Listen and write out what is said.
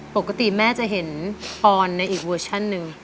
ปกติแม่จะเห็นออนในอีกเวอร์ชันหนึ่ง